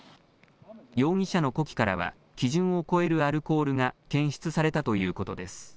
容疑者の呼気からは基準を超えるアルコールが検出されたということです。